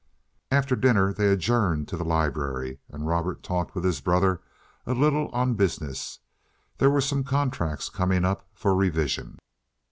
After dinner they adjourned to the library, and Robert talked with his brother a little on business. There were some contracts coming up for revision.